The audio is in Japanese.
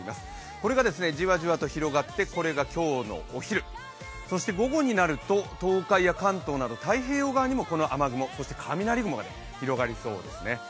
これがじわじわと広がってそして午後になると東海や関東など太平洋側にもこの雨雲、そして雷雲が広がりそうですね。